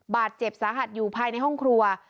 บาดเจ็บสาหัสอยู่ภายในห้องครัว